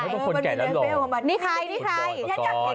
นี่ใครนี่ใคร